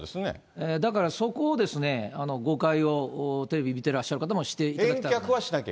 だからそこを、誤解を、テレビ見てらっしゃる方もしていただきたくない。